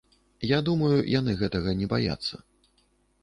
Я думаю, яны гэтага не баяцца.